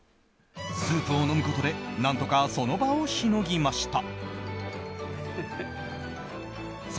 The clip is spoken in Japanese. スープを飲むことで何とかその場をしのぎました。